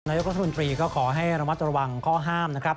นายกรัฐมนตรีก็ขอให้ระมัดระวังข้อห้ามนะครับ